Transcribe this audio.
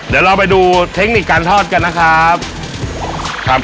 เดี๋ยวเราไปดูเทคนิคการทอดกันนะครับครับ